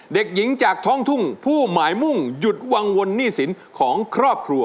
เด็กหญิงจากท้องทุ่งผู้หมายมุ่งหยุดวังวลหนี้สินของครอบครัว